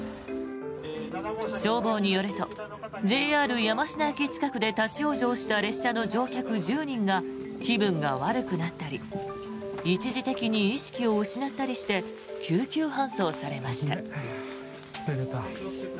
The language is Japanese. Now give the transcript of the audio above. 消防によるとＪＲ山科駅近くで立ち往生した列車の乗客１０人が気分が悪くなったり一時的に意識を失ったりして救急搬送されました。